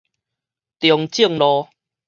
中正路